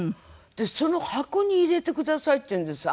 で「その箱に入れてください」っていうんです